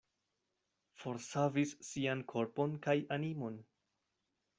Forsavis sian korpon kaj animon.